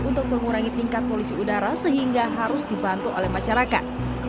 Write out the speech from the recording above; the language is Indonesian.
untuk mengurangi tingkat polusi udara sehingga harus dibantu oleh masyarakat